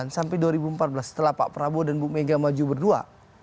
sampai dua ribu empat belas setelah pak prabowo dan bu mega maju berdua